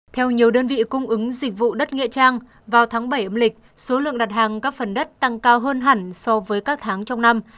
theo nhiều đơn vị cung ứng dịch vụ đất nghệ trang vào tháng bảy âm lịch số lượng đặt hàng các phần đất tăng cao hơn hẳn so với các tháng trong năm